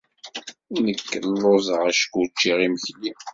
Nekk lluẓeɣ acku ur cciɣ imekli.